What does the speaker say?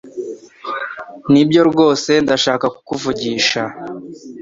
Nibyo rwose ndashaka kukuvugisha.